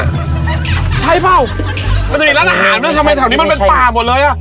ใช่เปล่ามันต้องเป็นร้านอาหารเมื่อชาบงี้มันเป็นป่าหมดเลย